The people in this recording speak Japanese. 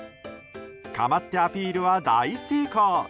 構ってアピールは大成功！